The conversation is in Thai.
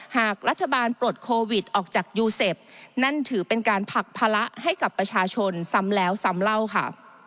หากรัฐบาลปลดโควิดออกจากยูเซฟนั่นถือเป็นการผลักภาระให้กับประชาชนซ้ำแล้วซ้ำเล่าค่ะ